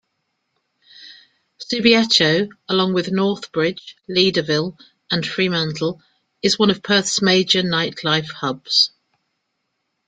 Subiaco-along with Northbridge, Leederville and Fremantle-is one of Perth's major nightlife hubs.